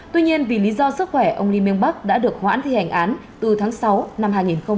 tuy nhiên vì lý do sức khỏe ông lee myung bak đã được hoãn thi hành án từ tháng sáu năm hai nghìn hai mươi một